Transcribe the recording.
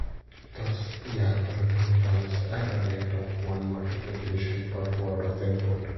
Thus, the algorithm runs at a "rate" of one multiplication per word of input.